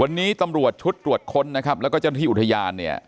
วันนี้ตำรวจชุดตรวจค้นนะครับแล้วก็เจ้าหน้าที่อุทยานเนี่ย